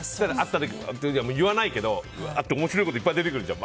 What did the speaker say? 言わないけど、面白いこといっぱい出てくるじゃん。